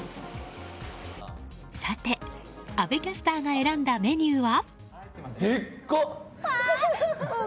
さて、阿部キャスターが選んだメニューは？